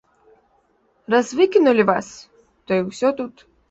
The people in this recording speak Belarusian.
Раз выкінулі вас, то і ўсё тут.